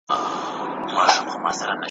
سرهمیش دي په سودادئ، زماقراره ګوندي راسې.